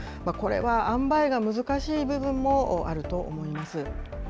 これはあんばいが難しい部分もあると思います。